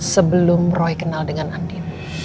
sebelum roy kenal dengan andin